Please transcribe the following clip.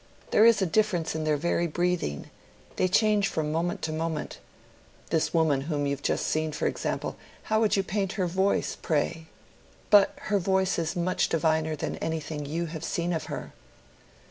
There is a difference in their very breathing: they change from moment to moment.—This woman whom you have just seen, for example: how would you paint her voice, pray? But her voice is much diviner than anything you have seen of her."